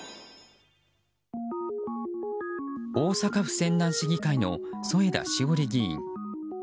大阪府泉南市議会の添田詩織議員。